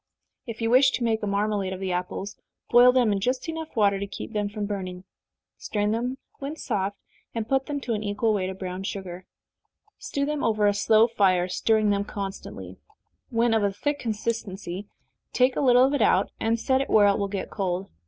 If you wish to make a marmalade of the apples, boil them in just water enough to keep them from burning strain them when soft, and put to them an equal weight of brown sugar stew them over a slow fire, stirring them constantly. When of a thick consistency, take a little of it out, and set it where it will get cold.